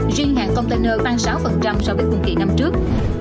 riêng hàng container tăng sáu so với cùng kỳ năm trước